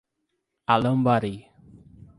Alambari